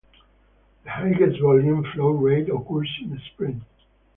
The highest volume flow rate occurs in spring.